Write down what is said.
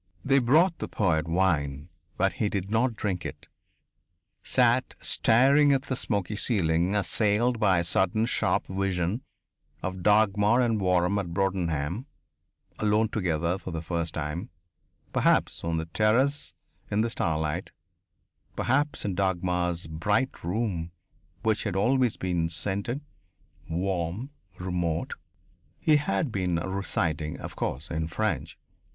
They brought the poet wine but he did not drink it sat staring at the smoky ceiling, assailed by a sudden sharp vision of Dagmar and Waram at Broadenham, alone together for the first time, perhaps on the terrace in the starlight, perhaps in Dagmar's bright room which had always been scented, warm, remote He had been reciting, of course, in French.